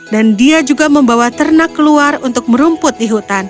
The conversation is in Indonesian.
dan dia juga membawa ternak keluar untuk merumpuknya